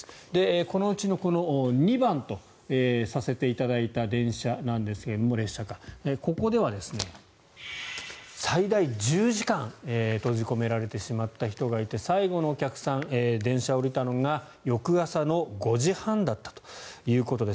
このうちの２番とさせていただいた列車なんですがここでは最大１０時間閉じ込められてしまった人がいて最後のお客さんが電車を降りたのが翌朝の５時半だったということです。